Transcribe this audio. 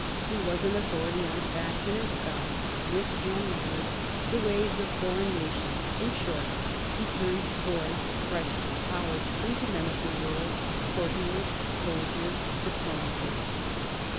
He was an authority on fashion and style, wit and manners, EARLY YEARS 21 the ways of foreign nations ; in short, he turned boys fresh from college into men of the world, courtiers, soldiers, diplomatists.